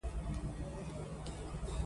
د سوات شلتالو ډېر مشهور دي